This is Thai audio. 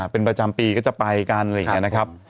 เป็นประจำปีก็จะไปกันอะไรอย่างนี้นะครับ